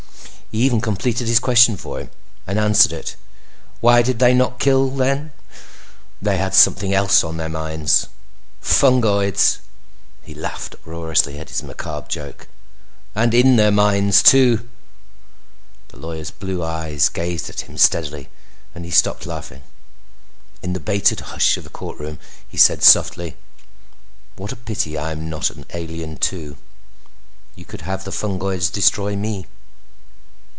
He even completed his question for him, and answered it. "Why did they not kill then? They had something else on their minds fungoids!" He laughed uproariously at his macabre joke. "And in their minds too!" The lawyer's blue eyes gazed at him steadily and he stopped laughing. In the bated hush of the courtroom he said softly, "What a pity I'm not an alien too. You could have the fungoids destroy me!"